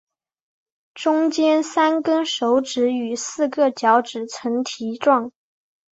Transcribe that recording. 中间三跟手指与四个脚趾呈蹄状。